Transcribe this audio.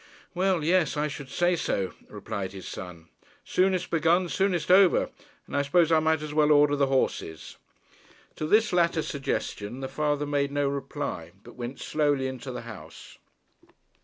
'Well, yes; I should say so,' replied his son. 'Soonest begun, soonest over; and I suppose I might as well order the horses.' To this latter suggestion the father made no reply, but went slowly into the house.